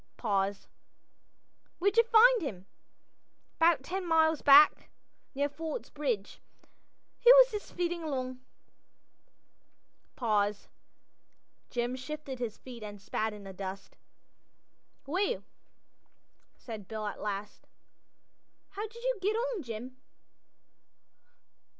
Pause. "Where'd yer find him?" "'Bout ten mile back. Near Ford's Bridge. He was just feedin' along." Pause. Jim shifted his feet and spat in the dust. "Well," said Bill at last. "How did you get on, Jim?"